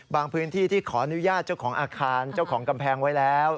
พื้นที่ที่ขออนุญาตเจ้าของอาคารเจ้าของกำแพงไว้แล้ว